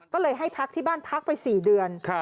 ก็เลยให้พักที่บ้านพักไป๔เดือน